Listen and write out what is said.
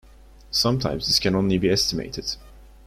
Sometimes this can only be estimated.